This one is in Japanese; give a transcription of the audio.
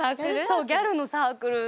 そうギャルのサークル。